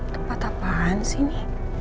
tempat apaan sih ini